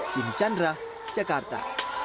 jim chandra jakarta